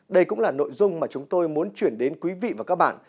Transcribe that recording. đây cũng là nội dung mà chúng tôi muốn chuyển đến quý vị và các bạn